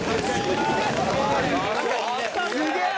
すげえ！